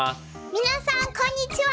皆さんこんにちは。